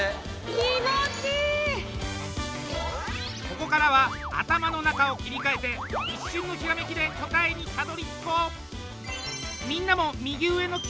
ここからは頭の中を切り替えて一瞬のひらめきで答えにたどり着こう！